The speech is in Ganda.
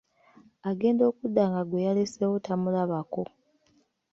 Agenda okudda nga gweyaleseewo tamulabako!